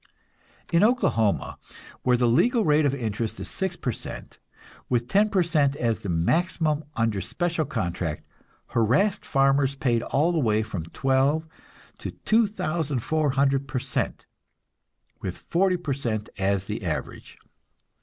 In Oklahoma, where the legal rate of interest is six per cent, with ten per cent as the maximum under special contract, harassed farmers paid all the way from 12 to 2400 per cent, with 40 per cent as the average.